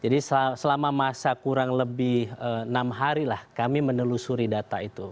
selama masa kurang lebih enam hari lah kami menelusuri data itu